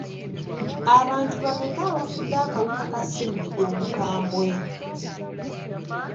Abantu bameka abafudde akawuka ka ssennyiga omukambwe?